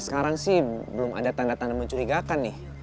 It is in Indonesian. sekarang sih belum ada tanda tanda mencurigakan nih